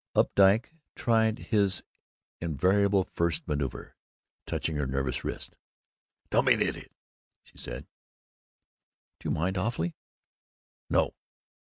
Updike tried his invariable first maneuver touching her nervous wrist. "Don't be an idiot!" she said. "Do you mind awfully?" "No!